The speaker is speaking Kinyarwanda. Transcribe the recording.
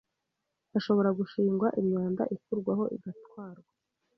ashobora gushingwa imyanda ikurwaho igatwarwa